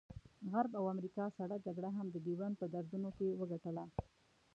غرب او امریکا سړه جګړه هم د ډیورنډ په دردونو کې وګټله.